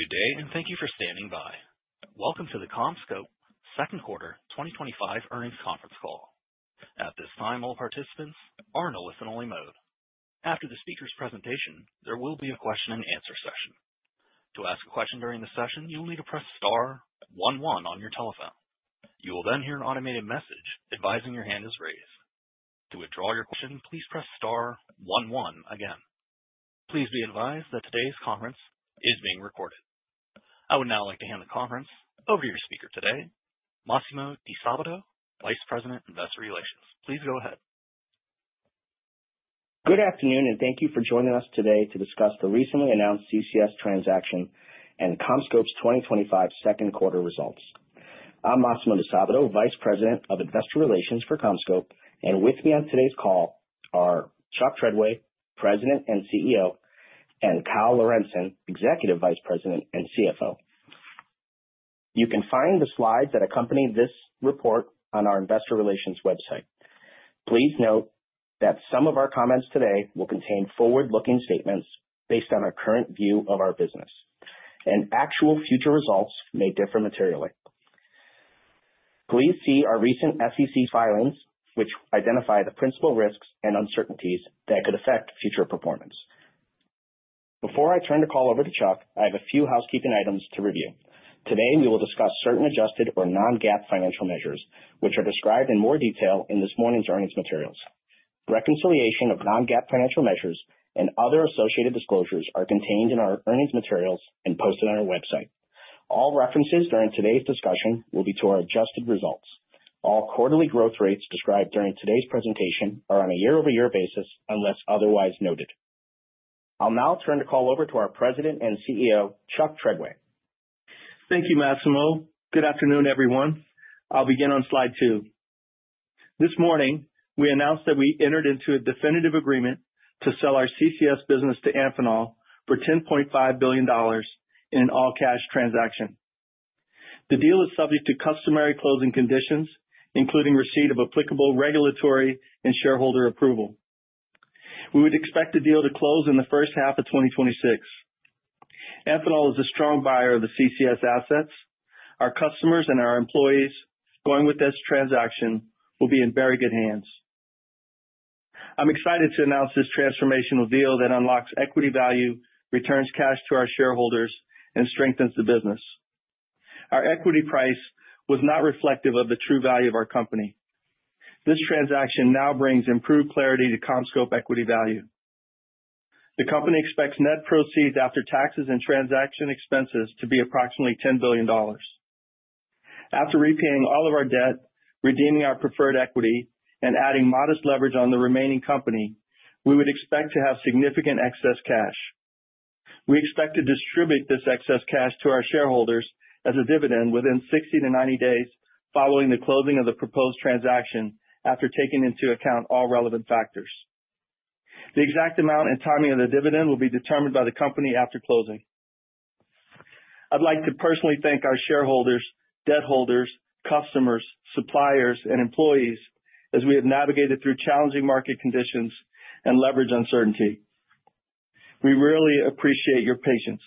Good day, and thank you for standing by. Welcome to the CommScope Second Quarter 2025 Earnings Conference Call. At this time, all participants are in a listen-only mode. After the speaker's presentation, there will be a question-and-answer session. To ask a question during the session, you will need to press Star, one, one on your telephone. You will then hear an automated message advising your hand is raised. To withdraw your question, please press Star, one, one again. Please be advised that today's conference is being recorded. I would now like to hand the conference over to your speaker today, Massimo DiSabato, Vice President, Investor Relations. Please go ahead. Good afternoon, and thank you for joining us today to discuss the recently announced CCS transaction and CommScope's 2025 second quarter results. I'm Massimo DiSabato, Vice President of Investor Relations for CommScope, and with me on today's call are Chuck Treadway, President and CEO, and Kyle Lorentzen, Executive Vice President and CFO. You can find the slides that accompany this report on our Investor Relations website. Please note that some of our comments today will contain forward-looking statements based on our current view of our business, and actual future results may differ materially. Please see our recent SEC filings, which identify the principal risks and uncertainties that could affect future performance. Before I turn the call over to Chuck, I have a few housekeeping items to review. Today, we will discuss certain adjusted or non-GAAP financial measures, which are described in more detail in this morning's earnings materials. Reconciliation of non-GAAP financial measures and other associated disclosures are contained in our earnings materials and posted on our website. All references during today's discussion will be to our adjusted results. All quarterly growth rates described during today's presentation are on a year-over-year basis unless otherwise noted. I'll now turn the call over to our President and CEO, Chuck Treadway. Thank you, Massimo. Good afternoon, everyone. I'll begin on slide two. This morning, we announced that we entered into a definitive agreement to sell our CCS business to Amphenol for $10.5 billion in an all-cash transaction. The deal is subject to customary closing conditions, including receipt of applicable regulatory and shareholder approval. We would expect the deal to close in the first half of 2026. Amphenol is a strong buyer of the CCS assets. Our customers and our employees going with this transaction will be in very good hands. I'm excited to announce this transformational deal that unlocks equity value, returns cash to our shareholders, and strengthens the business. Our equity price was not reflective of the true value of our company. This transaction now brings improved clarity to CommScope equity value. The company expects net proceeds after taxes and transaction expenses to be approximately $10 billion. After repaying all of our debt, redeeming our preferred equity, and adding modest leverage on the remaining company, we would expect to have significant excess cash. We expect to distribute this excess cash to our shareholders as a dividend within 6090 days following the closing of the proposed transaction, after taking into account all relevant factors. The exact amount and timing of the dividend will be determined by the company after closing. I'd like to personally thank our shareholders, debt holders, customers, suppliers, and employees as we have navigated through challenging market conditions and leverage uncertainty. We really appreciate your patience.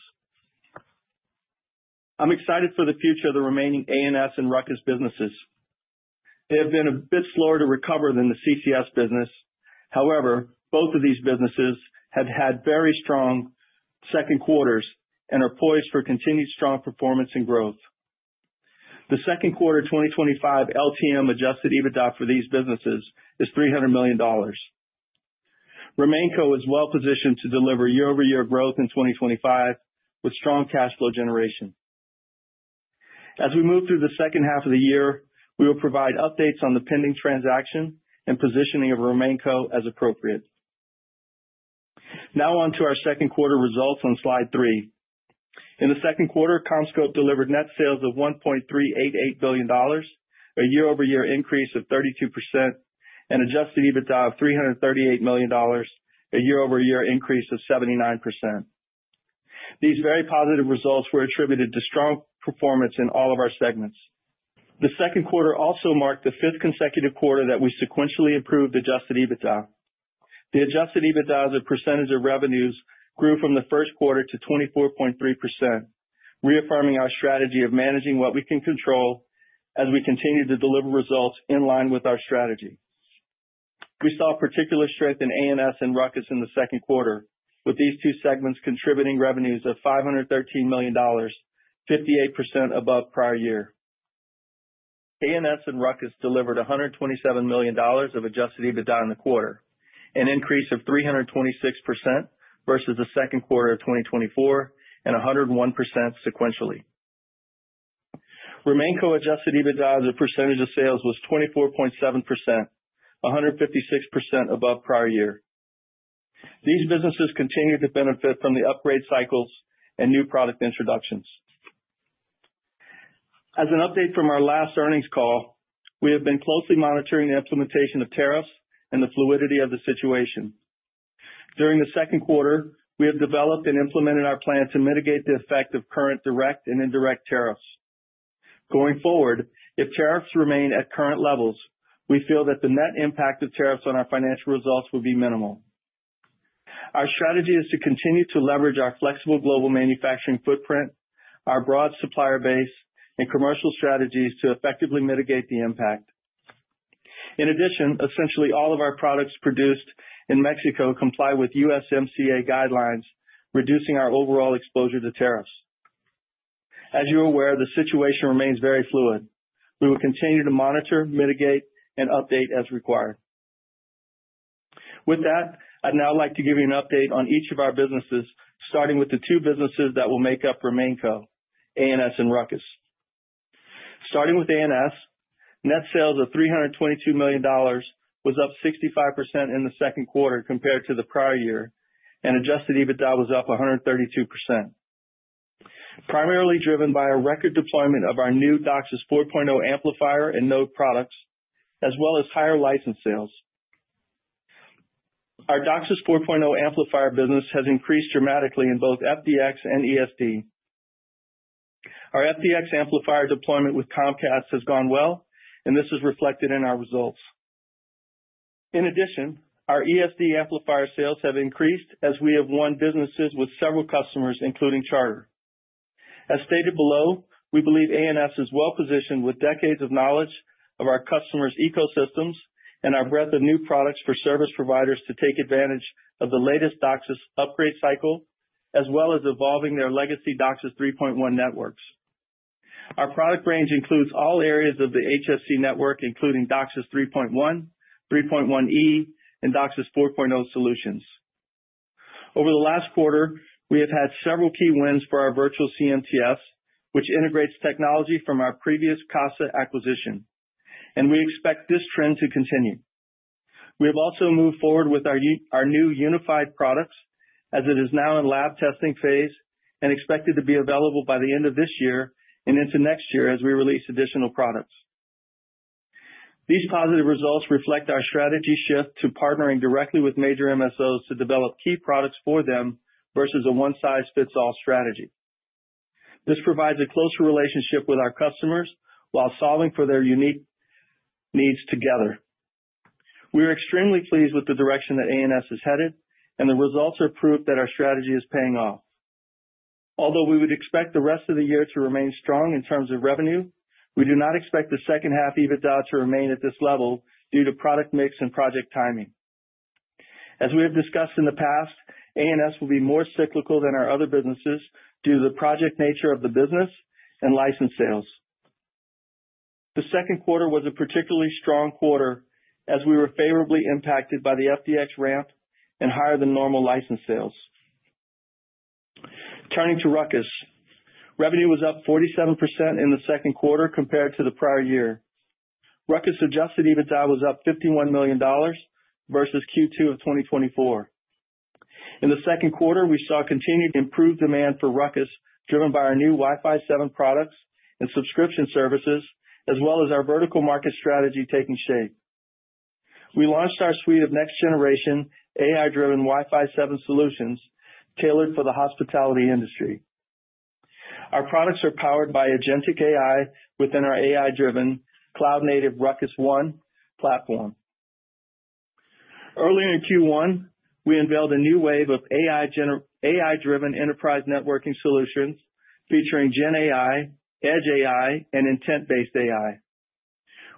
I'm excited for the future of the remaining ANS and RUCKUS businesses. They have been a bit slower to recover than the CCS business. However, both of these businesses have had very strong second quarters and are poised for continued strong performance and growth. The second quarter 2025 LTM adjusted EBITDA for these businesses is $300 million. RemainCo is well positioned to deliver year-over-year growth in 2025 with strong cash flow generation. As we move through the second half of the year, we will provide updates on the pending transaction and positioning of RemainCo as appropriate. Now on to our second quarter results on slide three. In the second quarter, CommScope delivered net sales of $1.388 billion, a year-over-year increase of 32%, and adjusted EBITDA of $338 million, a year-over-year increase of 79%. These very positive results were attributed to strong performance in all of our segments. The second quarter also marked the fifth consecutive quarter that we sequentially improved adjusted EBITDA. The adjusted EBITDA as a percentage of revenues grew from the first quarter to 24.3%, reaffirming our strategy of managing what we can control as we continue to deliver results in line with our strategy. We saw particular strength in ANS and RUCKUS in the second quarter, with these two segments contributing revenues of $513 million, 58% above prior year. ANS and RUCKUS delivered $127 million of adjusted EBITDA in the quarter, an increase of 326% versus the second quarter of 2024 and 101% sequentially. RemainCo adjusted EBITDA as a percentage of sales was 24.7%, 156% above prior year. These businesses continue to benefit from the upgrade cycles and new product introductions. As an update from our last earnings call, we have been closely monitoring the implementation of tariffs and the fluidity of the situation. During the second quarter, we have developed and implemented our plan to mitigate the effect of current direct and indirect tariffs. Going forward, if tariffs remain at current levels, we feel that the net impact of tariffs on our financial results would be minimal. Our strategy is to continue to leverage our flexible global manufacturing footprint, our broad supplier base, and commercial strategies to effectively mitigate the impact. In addition, essentially all of our products produced in Mexico comply with USMCA guidelines, reducing our overall exposure to tariffs. As you're aware, the situation remains very fluid. We will continue to monitor, mitigate, and update as required. With that, I'd now like to give you an update on each of our businesses, starting with the two businesses that will make up RemainCo: ANS and RUCKUS. Starting with ANS, net sales of $322 million was up 65% in the second quarter compared to the prior year, and adjusted EBITDA was up 132%. Primarily driven by a record deployment of our new DOCSIS 4.0 amplifier and node products, as well as higher license sales. Our DOCSIS 4.0 amplifier business has increased dramatically in both FDX and ESD. Our FDX amplifier deployment with Comcast has gone well, and this is reflected in our results. In addition, our ESD amplifier sales have increased as we have won businesses with several customers, including Charter. As stated below, we believe ANS is well positioned with decades of knowledge of our customers' ecosystems and our breadth of new products for service providers to take advantage of the latest DOCSIS upgrade cycle, as well as evolving their legacy DOCSIS 3.1 networks. Our product range includes all areas of the HFC network, including DOCSIS 3.1, 3.1E, and DOCSIS 4.0 solutions. Over the last quarter, we have had several key wins for our virtual CMTS solutions, which integrates technology from our previous CASA acquisition, and we expect this trend to continue. We have also moved forward with our new unified products as it is now in lab testing phase and expected to be available by the end of this year and into next year as we release additional products. These positive results reflect our strategy shift to partnering directly with major MSOs to develop key products for them versus a one-size-fits-all strategy. This provides a closer relationship with our customers while solving for their unique needs together. We are extremely pleased with the direction that ANS is headed, and the results are proof that our strategy is paying off. Although we would expect the rest of the year to remain strong in terms of revenue, we do not expect the second half EBITDA to remain at this level due to product mix and project timing. As we have discussed in the past, ANS will be more cyclical than our other businesses due to the project nature of the business and license sales. The second quarter was a particularly strong quarter as we were favorably impacted by the FDX ramp and higher than normal license sales. Turning to RUCKUS, revenue was up 47% in the second quarter compared to the prior year. RUCKUS' adjusted EBITDA was up $51 million versus Q2 of 2024. In the second quarter, we saw continued improved demand for RUCKUS, driven by our new Wi-Fi 7 products and subscription services, as well as our vertical market strategy taking shape. We launched our suite of next-generation AI-driven Wi-Fi 7 solutions tailored for the hospitality industry. Our products are powered by Agentic AI within our AI-driven cloud-native RUCKUS One platform. Earlier in Q1, we unveiled a new wave of AI-driven enterprise networking solutions featuring GenAI, EdgeAI, and Intent-Based AI.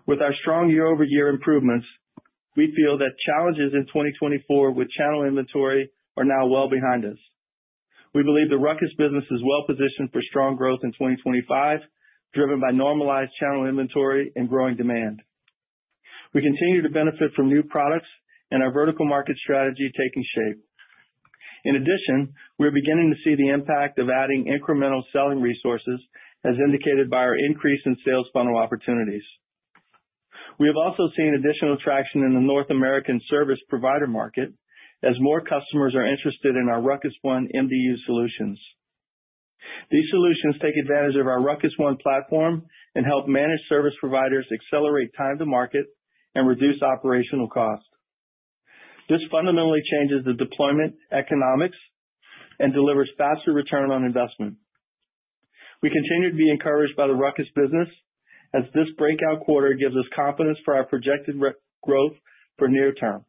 With our strong year-over-year improvements, we feel that challenges in 2024 with channel inventory are now well behind us. We believe the RUCKUS business is well positioned for strong growth in 2025, driven by normalized channel inventory and growing demand. We continue to benefit from new products and our vertical market strategy taking shape. In addition, we're beginning to see the impact of adding incremental selling resources, as indicated by our increase in sales funnel opportunities. We have also seen additional traction in the North American service provider market as more customers are interested in our RUCKUS One MDU solutions. These solutions take advantage of our RUCKUS One platform and help managed service providers accelerate time to market and reduce operational cost. This fundamentally changes the deployment economics and delivers faster return on investment. We continue to be encouraged by the RUCKUS business as this breakout quarter gives us confidence for our projected growth for near term.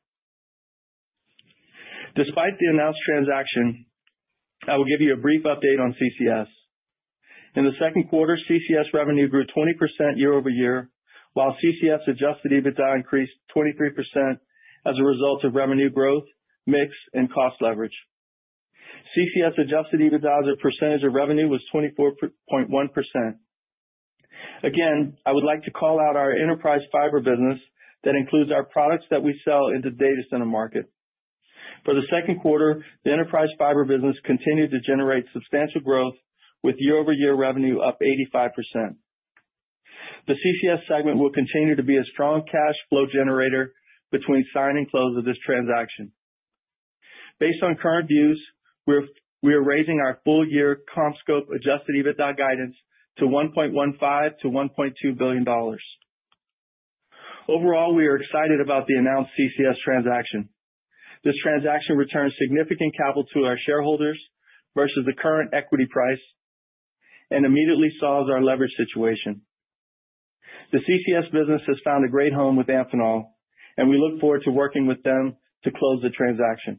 Despite the announced transaction, I will give you a brief update on CCS. In the second quarter, CCS revenue grew 20% year-over-year, while CCS adjusted EBITDA increased 23% as a result of revenue growth, mix, and cost leverage. CCS adjusted EBITDA as a percentage of revenue was 24.1%. Again, I would like to call out our enterprise fiber business that includes our products that we sell in the data center market. For the second quarter, the enterprise fiber business continued to generate substantial growth, with year over year revenue up 85%. The CCS segment will continue to be a strong cash flow generator between sign and close of this transaction. Based on current views, we are raising our full-year CommScope adjusted EBITDA guidance to $1.15 billion-$1.2 billion. Overall, we are excited about the announced CCS transaction. This transaction returns significant capital to our shareholders versus the current equity price and immediately solves our leverage situation. The CCS business has found a great home with Amphenol, and we look forward to working with them to close the transaction.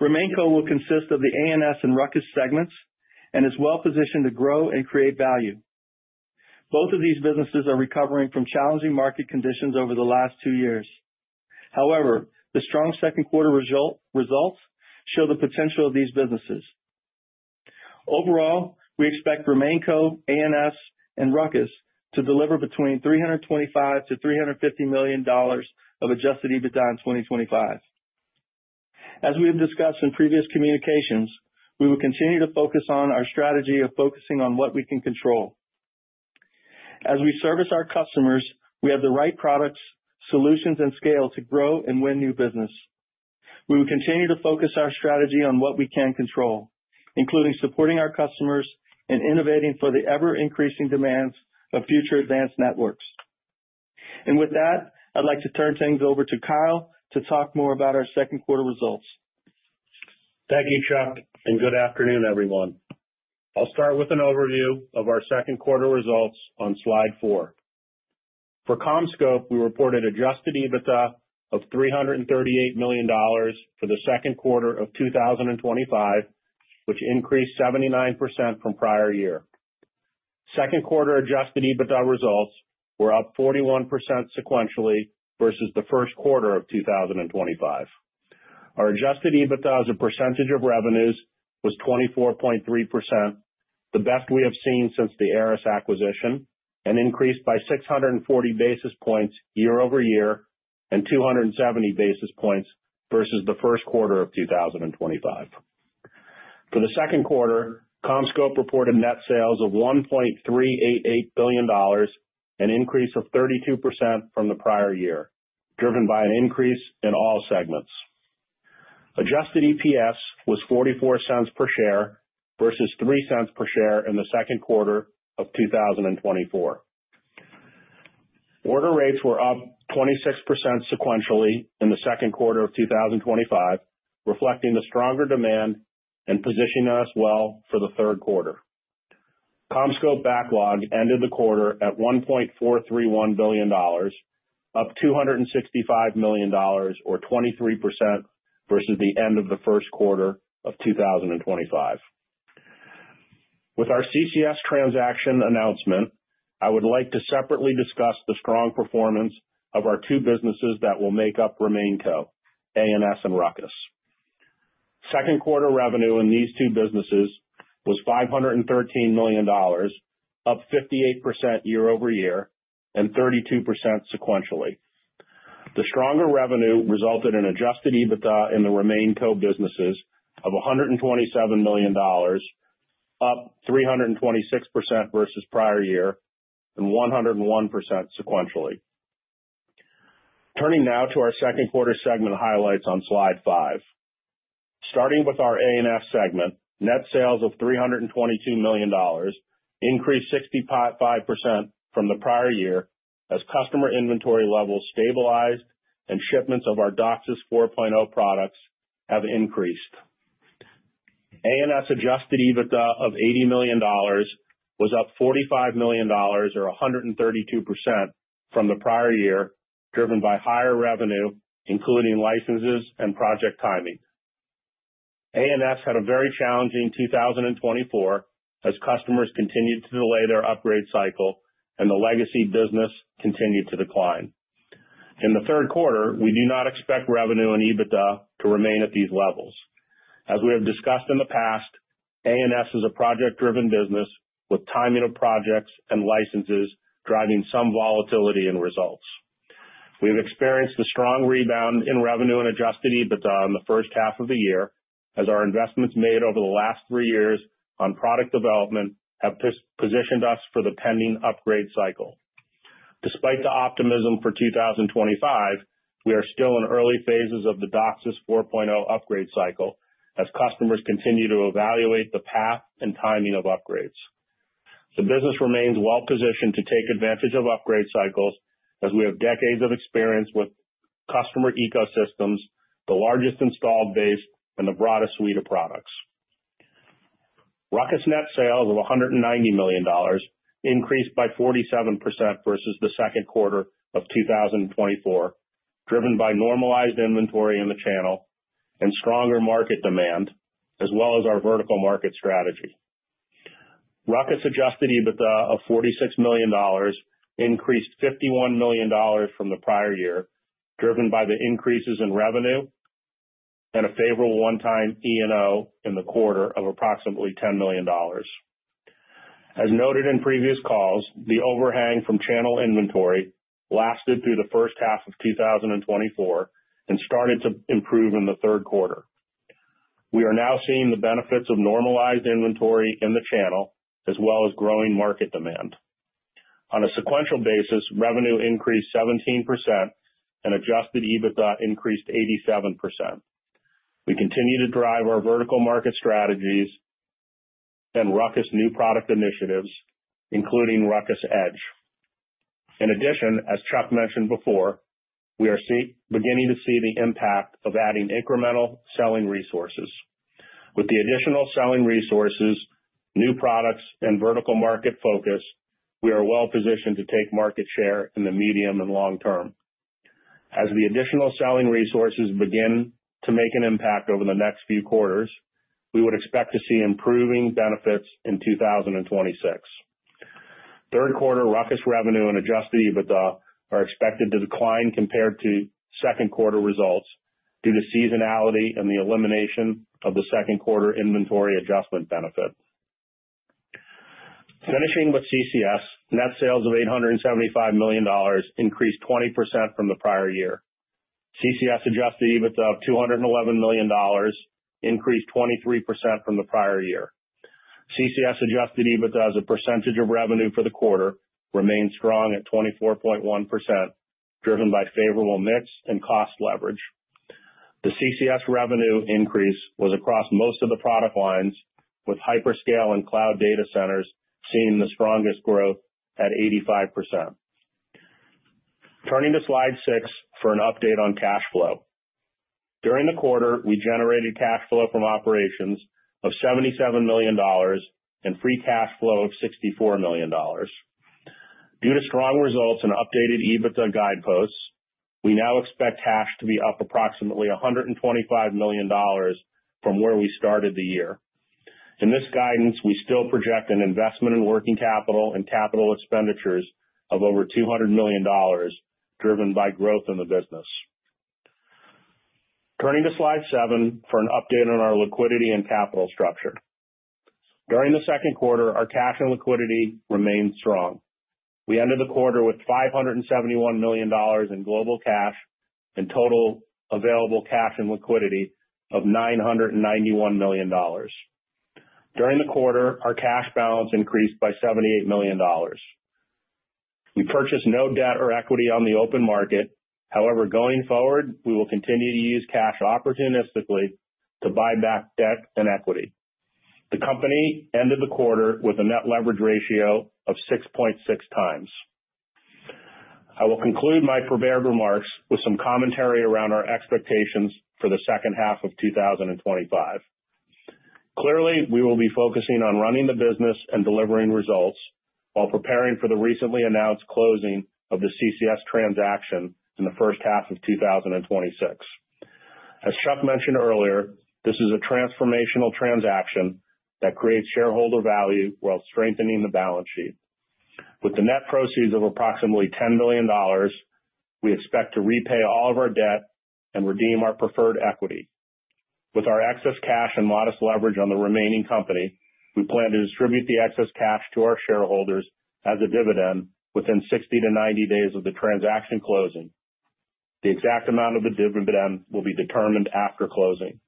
RemainCo will consist of the ANS and RUCKUS segments and is well positioned to grow and create value. Both of these businesses are recovering from challenging market conditions over the last two years. However, the strong second quarter results show the potential of these businesses. Overall, we expect RemainCo, ANS, and RUCKUS to deliver between $325 million-$350 million of adjusted EBITDA in 2025. As we have discussed in previous communications, we will continue to focus on our strategy of focusing on what we can control. As we service our customers, we have the right products, solutions, and scale to grow and win new business. We will continue to focus our strategy on what we can control, including supporting our customers and innovating for the ever-increasing demands of future advanced networks. With that, I'd like to turn things over to Kyle to talk more about our second quarter results. Thank you, Chuck, and good afternoon, everyone. I'll start with an overview of our second quarter results on slide four. For CommScope, we reported adjusted EBITDA of $338 million for the second quarter of 2025, which increased 79% from prior year. Second quarter adjusted EBITDA results were up 41% sequentially versus the first quarter of 2025. Our adjusted EBITDA as a percentage of revenues was 24.3%, the best we have seen since the ARRIS acquisition, and increased by 640 basis points year-over-year and 270 basis points versus the first quarter of 2025. For the second quarter, CommScope reported net sales of $1.388 billion, an increase of 32% from the prior year, driven by an increase in all segments. Adjusted EPS was $0.44 per share versus $0.03 per share in the second quarter of 2024. Order rates were up 26% sequentially in the second quarter of 2025, reflecting the stronger demand and positioning us well for the third quarter. CommScope backlog ended the quarter at $1.431 billion, up $265 million, or 23% versus the end of the first quarter of 2025. With our CCS transaction announcement, I would like to separately discuss the strong performance of our two businesses that will make up RemainCo, ANS and RUCKUS. Second quarter revenue in these two businesses was $513 million, up 58% year-over-year and 32% sequentially. The stronger revenue resulted in adjusted EBITDA in the RemainCo businesses of $127 million, up 326% versus prior year and 101% sequentially. Turning now to our second quarter segment highlights on slide five. Starting with our ANS segment, net sales of $322 million increased 65% from the prior year as customer inventory levels stabilized and shipments of our DOCSIS 4.0 products have increased. ANS adjusted EBITDA of $80 million was up $45 million, or 132% from the prior year, driven by higher revenue, including licenses and project timing. ANS had a very challenging 2024 as customers continued to delay their upgrade cycle and the legacy business continued to decline. In the third quarter, we do not expect revenue and EBITDA to remain at these levels. As we have discussed in the past, ANS is a project-driven business with timing of projects and licenses driving some volatility in results. We have experienced a strong rebound in revenue and adjusted EBITDA in the first half of the year as our investments made over the last three years on product development have positioned us for the pending upgrade cycle. Despite the optimism for 2025, we are still in early phases of the DOCSIS 4.0 upgrade cycle as customers continue to evaluate the path and timing of upgrades. The business remains well positioned to take advantage of upgrade cycles as we have decades of experience with customer ecosystems, the largest installed base, and the broadest suite of products. RUCKUS net sales of $190 million increased by 47% versus the second quarter of 2024, driven by normalized inventory in the channel and stronger market demand, as well as our vertical market strategy. RUCKUS adjusted EBITDA of $46 million increased $51 million from the prior year, driven by the increases in revenue and a favorable one-time E&O in the quarter of approximately $10 million. As noted in previous calls, the overhang from channel inventory lasted through the first half of 2024 and started to improve in the third quarter. We are now seeing the benefits of normalized inventory in the channel, as well as growing market demand. On a sequential basis, revenue increased 17% and adjusted EBITDA increased 87%. We continue to drive our vertical market strategies and RUCKUS new product initiatives, including RUCKUS Edge. In addition, as Chuck mentioned before, we are beginning to see the impact of adding incremental selling resources. With the additional selling resources, new products, and vertical market focus, we are well positioned to take market share in the medium and long term. As the additional selling resources begin to make an impact over the next few quarters, we would expect to see improving benefits in 2026. Third quarter, RUCKUS revenue and adjusted EBITDA are expected to decline compared to second quarter results due to seasonality and the elimination of the second quarter inventory adjustment benefit. Finishing with CCS, net sales of $875 million increased 20% from the prior year. CCS adjusted EBITDA of $211 million increased 23% from the prior year. CCS adjusted EBITDA as a percentage of revenue for the quarter remains strong at 24.1%, driven by favorable mix and cost leverage. The CCS revenue increase was across most of the product lines, with hyperscale and cloud data centers seeing the strongest growth at 85%. Turning to slide six for an update on cash flow. During the quarter, we generated cash flow from operations of $77 million and free cash flow of $64 million. Due to strong results and updated EBITDA guideposts, we now expect cash to be up approximately $125 million from where we started the year. In this guidance, we still project an investment in working capital and capital expenditures of over $200 million, driven by growth in the business. Turning to slide seven for an update on our liquidity and capital structure. During the second quarter, our cash and liquidity remained strong. We ended the quarter with $571 million in global cash and total available cash and liquidity of $991 million. During the quarter, our cash balance increased by $78 million. We purchased no debt or equity on the open market. However, going forward, we will continue to use cash opportunistically to buy back debt and equity. The company ended the quarter with a net leverage ratio of 6.6x. I will conclude my prepared remarks with some commentary around our expectations for the second half of 2025. Clearly, we will be focusing on running the business and delivering results while preparing for the recently announced closing of the CCS transaction in the first half of 2026. As Chuck mentioned earlier, this is a transformational transaction that creates shareholder value while strengthening the balance sheet. With the net proceeds of approximately $10 billion, we expect to repay all of our debt and redeem our preferred equity. With our excess cash and modest leverage on the remaining company, we plan to distribute the excess cash to our shareholders as a dividend within 60-90 days of the transaction closing. The exact amount of the dividend will be determined after closing.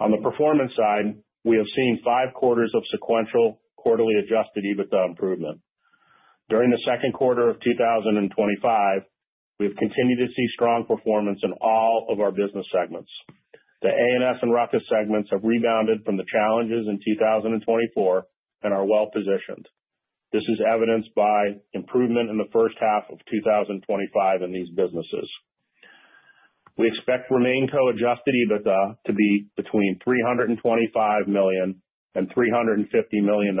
On the performance side, we have seen five quarters of sequential quarterly adjusted EBITDA improvement. During the second quarter of 2025, we have continued to see strong performance in all of our business segments. The ANS and RUCKUS segments have rebounded from the challenges in 2024 and are well positioned. This is evidenced by improvement in the first half of 2025 in these businesses. We expect RemainCo adjusted EBITDA to be between $325 million and $350 million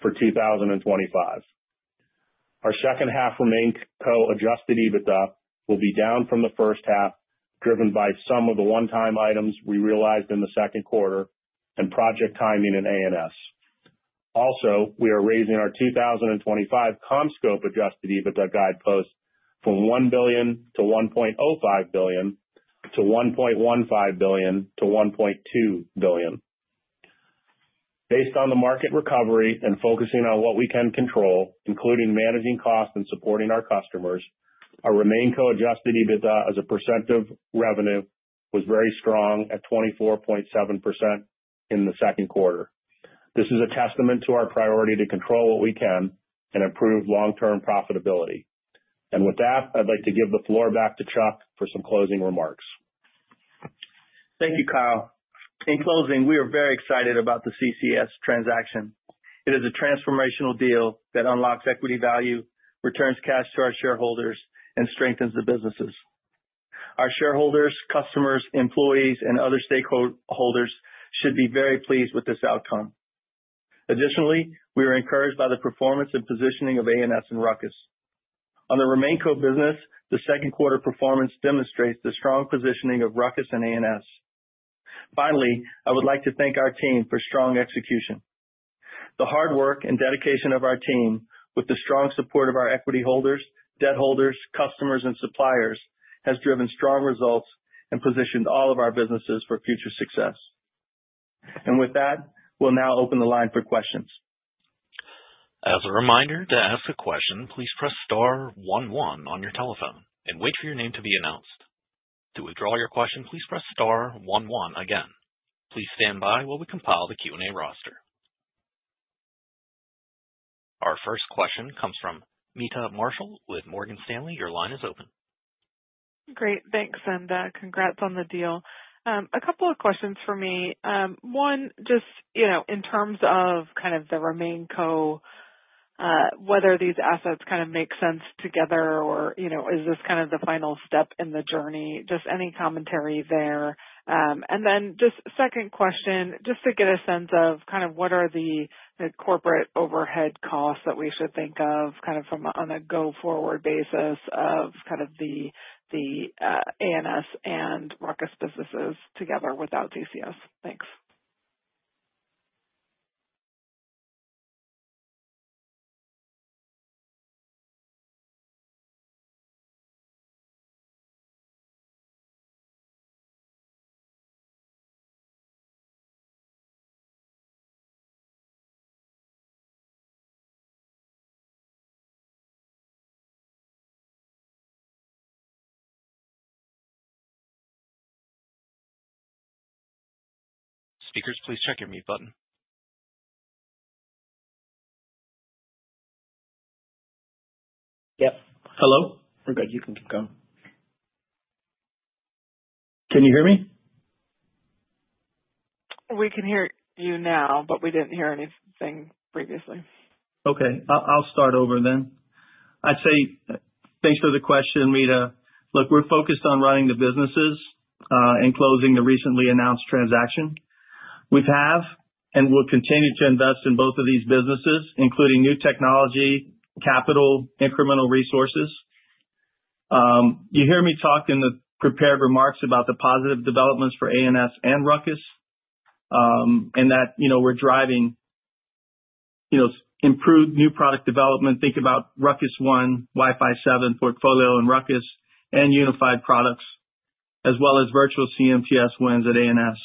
for 2025. Our second half RemainCo adjusted EBITDA will be down from the first half, driven by some of the one-time items we realized in the second quarter and project timing in ANS. Also, we are raising our 2025 CommScope adjusted EBITDA guidepost from $1 billion-$1.05 billion to $1.15 billion-$1.2 billion. Based on the market recovery and focusing on what we can control, including managing costs and supporting our customers, our RemainCo adjusted EBITDA as a percent of revenue was very strong at 24.7% in the second quarter. This is a testament to our priority to control what we can and improve long-term profitability. With that, I'd like to give the floor back to Chuck for some closing remarks. Thank you, Kyle. In closing, we are very excited about the CCS transaction. It is a transformational deal that unlocks equity value, returns cash to our shareholders, and strengthens the businesses. Our shareholders, customers, employees, and other stakeholders should be very pleased with this outcome. Additionally, we are encouraged by the performance and positioning of ANS and RUCKUS. On the RemainCo business, the second quarter performance demonstrates the strong positioning of RUCKUS and ANS. Finally, I would like to thank our team for strong execution. The hard work and dedication of our team, with the strong support of our equity holders, debt holders, customers, and suppliers, has driven strong results and positioned all of our businesses for future success. We will now open the line for questions. As a reminder, to ask a question, please press Star, one, one on your telephone and wait for your name to be announced. To withdraw your question, please press Star, one, one again. Please stand by while we compile the Q&A roster. Our first question comes from Meta Marshall with Morgan Stanley. Your line is open. Great, thanks, and congrats on the deal. A couple of questions for me. One, just in terms of kind of the RemainCo, whether these assets kind of make sense together or is this kind of the final step in the journey? Just any commentary there? Then just a second question, just to get a sense of kind of what are the corporate overhead costs that we should think of from on a go-forward basis of kind of the ANS and RUCKUS businesses together without CCS? Thanks. Speakers, please check your mute button. Yep. Hello? We're good. You can go. Can you hear me? We can hear you now, but we didn't hear anything previously. Okay. I'd say thanks for the question, Meta. Look, we're focused on running the businesses and closing the recently announced transaction. We have and will continue to invest in both of these businesses, including new technology, capital, incremental resources. You hear me talk in the prepared remarks about the positive developments for ANS and RUCKUS, and that we're driving improved new product development. Think about RUCKUS One, Wi-Fi 7 portfolio in RUCKUS, and unified products, as well as virtual CMTS wins at ANS.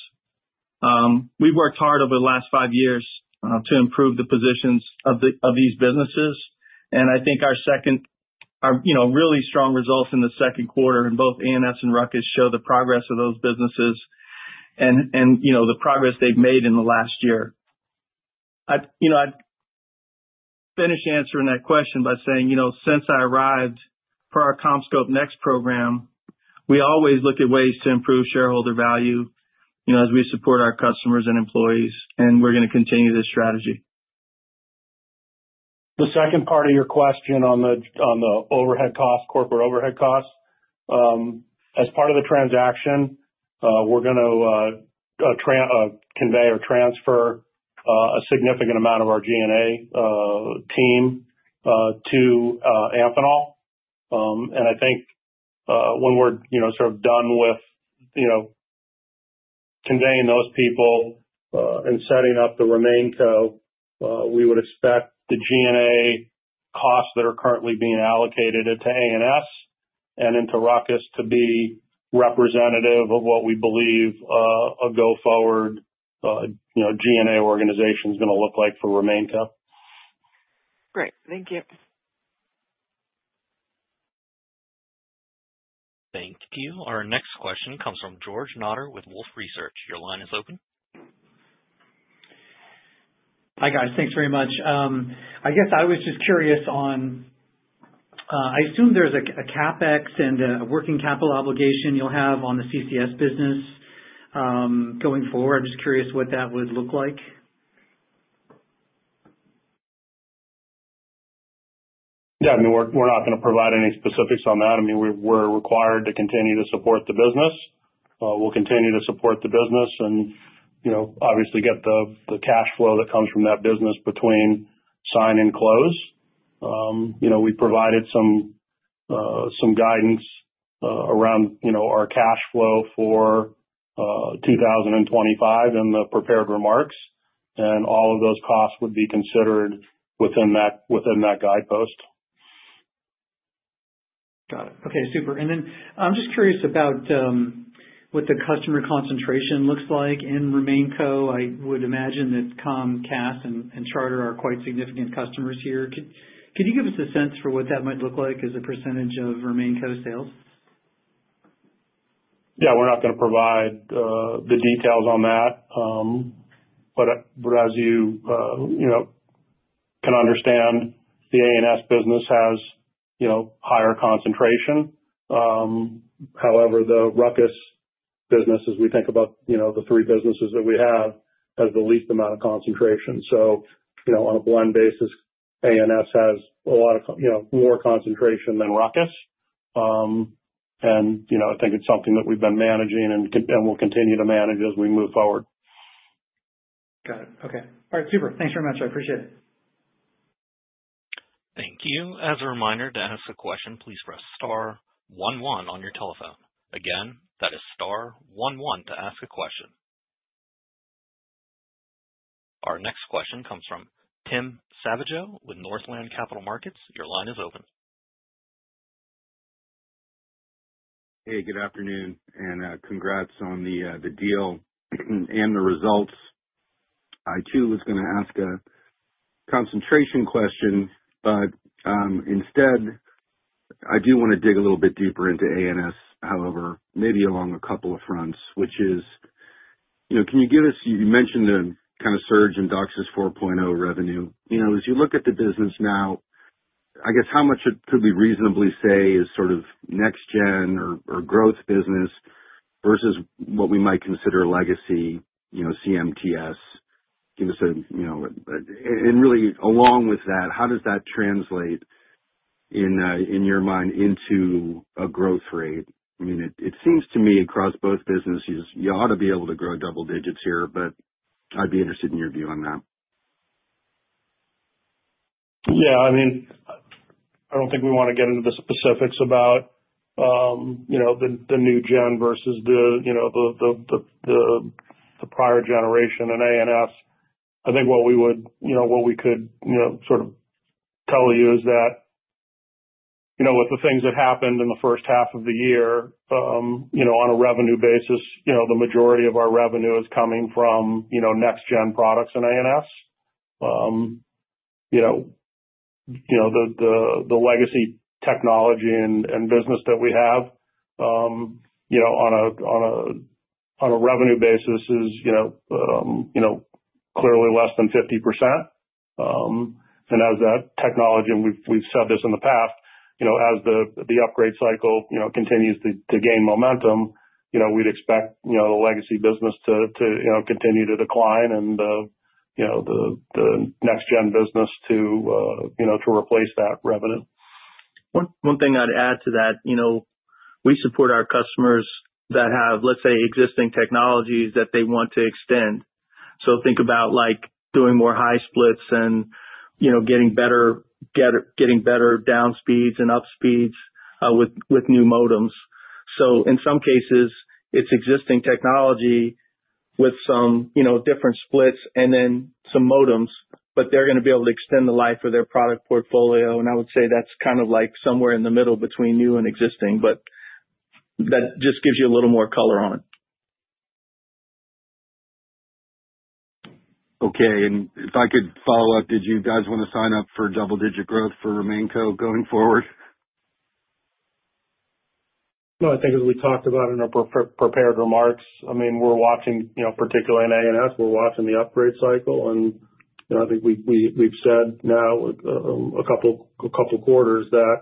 We've worked hard over the last five years to improve the positions of these businesses. I think our really strong results in the second quarter in both ANS and RUCKUS show the progress of those businesses and the progress they've made in the last year. I'd finish answering that question by saying, since I arrived for our CommScope Next program, we always look at ways to improve shareholder value as we support our customers and employees, and we're going to continue this strategy. The second part of your question on the overhead costs, corporate overhead costs, as part of the transaction, we're going to convey or transfer a significant amount of our G&A team to Amphenol. I think when we're done with conveying those people and setting up the RemainCo, we would expect the G&A costs that are currently being allocated to ANS and into RUCKUS to be representative of what we believe a go-forward G&A organization is going to look like for RemainCo. Great. Thank you. Thank you. Our next question comes from George Notter with Wolfe Research. Your line is open. Hi, guys. Thanks very much. I guess I was just curious on, I assume there's a CapEx and a working capital obligation you'll have on the CCS business going forward. I'm just curious what that would look like. Yeah, I mean, we're not going to provide any specifics on that. I mean, we're required to continue to support the business. We'll continue to support the business and obviously get the cash flow that comes from that business between sign and close. We provided some guidance around our cash flow for 2025 in the prepared remarks, and all of those costs would be considered within that guidepost. Got it. Okay, super. I'm just curious about what the customer concentration looks like in RemainCo. I would imagine that Comcast and Charter are quite significant customers here. Could you give us a sense for what that might look like as a percentage of RemainCo sales? Yeah, we're not going to provide the details on that. As you can understand, the ANS business has higher concentration. However, the RUCKUS business, as we think about the three businesses that we have, has the least amount of concentration. On a blend basis, ANS has a lot more concentration than RUCKUS. I think it's something that we've been managing and will continue to manage as we move forward. Got it. Okay. All right, super. Thanks very much. I appreciate it. Thank you. As a reminder, to ask a question, please press Star, one, one on your telephone. Again, that is Star, one, one to ask a question. Our next question comes from Tim Savageau with Northland Capital Markets. Your line is open. Hey, good afternoon, and congrats on the deal and the results. I too was going to ask a concentration question, but instead, I do want to dig a little bit deeper into ANS, however, maybe along a couple of fronts, which is, you know, can you give us, you mentioned the kind of surge in DOCSIS 4.0 revenue. As you look at the business now, I guess how much could we reasonably say is sort of next-gen or growth business versus what we might consider legacy, you know, CMTS? Can you say, you know, and really along with that, how does that translate in your mind into a growth rate? It seems to me across both businesses, you ought to be able to grow double digits here, but I'd be interested in your view on that. Yeah, I mean, I don't think we want to get into the specifics about the new gen versus the prior generation in ANS. I think what we could sort of tell you is that with the things that happened in the first half of the year, on a revenue basis, the majority of our revenue is coming from next-gen products in ANS. The legacy technology and business that we have, on a revenue basis, is clearly less than 50%. As that technology, and we've said this in the past, as the upgrade cycle continues to gain momentum, we'd expect the legacy business to continue to decline and the next-gen business to replace that revenue. One thing I'd add to that, you know, we support our customers that have, let's say, existing technologies that they want to extend. Think about like doing more high splits and getting better down speeds and up speeds with new modems. In some cases, it's existing technology with some different splits and then some modems, but they're going to be able to extend the life of their product portfolio. I would say that's kind of like somewhere in the middle between new and existing, but that just gives you a little more color on it. Okay. If I could follow up, did you guys want to sign up for double-digit growth for RemainCo going forward? I think as we talked about in our prepared remarks, we're watching, particularly in ANS, we're watching the upgrade cycle. I think we've said now a couple of quarters that,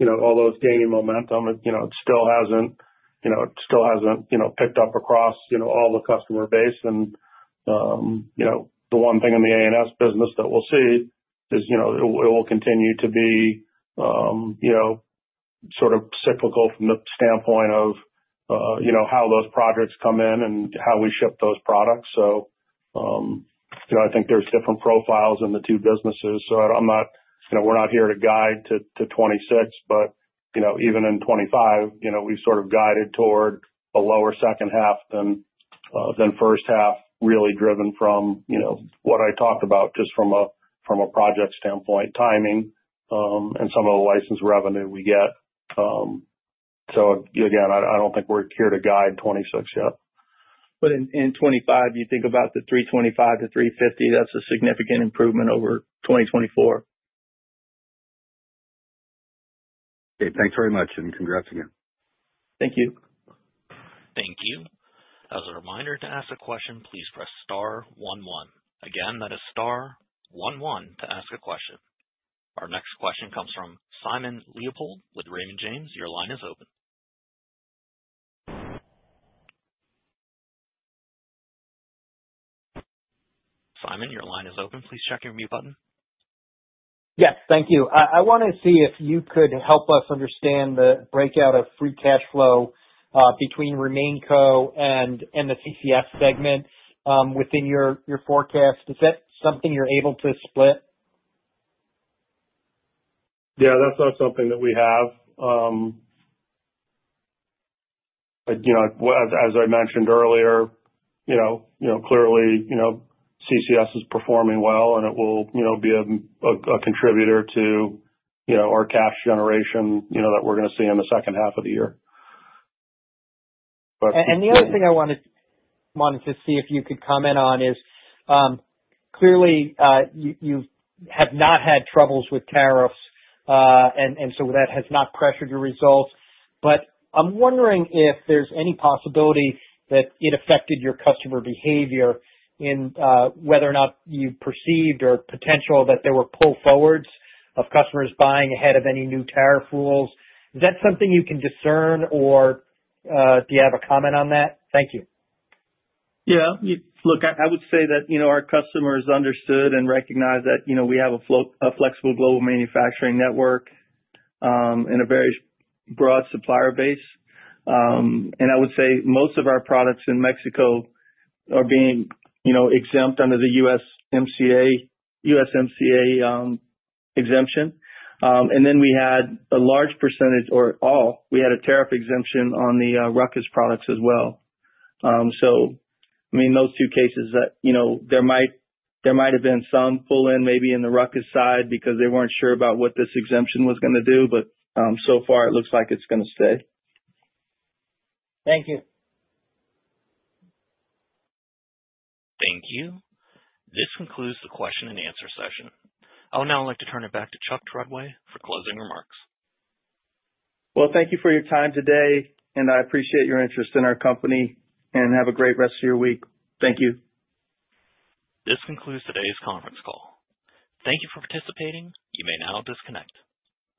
although it's gaining momentum, it still hasn't picked up across all the customer base. The one thing in the ANS business that we'll see is it will continue to be sort of cyclical from the standpoint of how those projects come in and how we ship those products. I think there's different profiles in the two businesses. I'm not, we're not here to guide to 2026, but even in 2025, we've sort of guided toward a lower second half than first half, really driven from what I talked about just from a project standpoint, timing, and some of the license revenue we get. Again, I don't think we're here to guide 2026 yet. In 2025, you think about the $325-$350, that's a significant improvement over 2024. Okay, thanks very much, and congrats again. Thank you. Thank you. As a reminder, to ask a question, please press Star, one, one Again, that is Star, one, one to ask a question. Our next question comes from Simon Leopold with Raymond James. Your line is open. Simon, your line is open. Please check your mute button. Yes, thank you. I want to see if you could help us understand the breakout of free cash flow between RemainCo and the CCS segment within your forecast. Is that something you're able to split? That's not something that we have. As I mentioned earlier, clearly, CCS is performing well, and it will be a contributor to our cash generation that we're going to see in the second half of the year. Could you comment on this? Clearly, you have not had troubles with tariffs, and that has not pressured your results. I'm wondering if there's any possibility that it affected your customer behavior, in whether or not you perceived or potential that there were pull forwards of customers buying ahead of any new tariff rules. Is that something you can discern, or do you have a comment on that? Thank you. Yeah, look, I would say that our customers understood and recognize that we have a flexible global manufacturing network and a very broad supplier base. I would say most of our products in Mexico are being exempt under the USMCA exemption. We had a large percentage, or all, we had a tariff exemption on the RUCKUS products as well. I mean, those two cases, there might have been some pull-in maybe in the RUCKUS side because they weren't sure about what this exemption was going to do, but so far it looks like it's going to stay. Thank you. Thank you. This concludes the question and answer session. I'd now like to turn it back to Chuck Treadway for closing remarks. Thank you for your time today. I appreciate your interest in our company, and have a great rest of your week. Thank you. This concludes today's conference call. Thank you for participating. You may now disconnect.